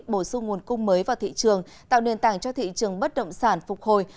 bổ sung nguồn cung mới vào thị trường tạo nền tảng cho thị trường bất động sản phục hồi